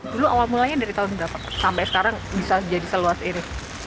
dulu awal mulanya dari tahun berapa sampai sekarang bisa jadi seluas ini